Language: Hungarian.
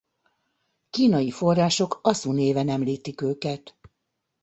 Kínai források aszu néven említik őket.